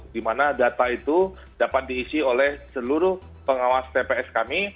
di mana data itu dapat diisi oleh seluruh pengawas tps kami